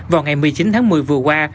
vào ngày một mươi chín tháng một mươi vừa qua